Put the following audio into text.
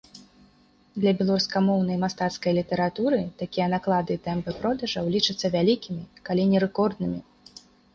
Для беларускамоўнай мастацкай літаратуры такія наклады і тэмпы продажаў лічацца вялікімі, калі не рэкорднымі.